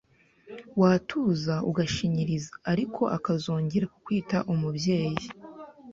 watuza ugashinyiriza ariko akazongera kukwita umubyeyi